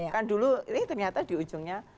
kan dulu ini ternyata di ujungnya